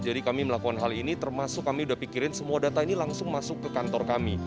jadi kami melakukan hal ini termasuk kami sudah pikirin semua data ini langsung masuk ke kantor kami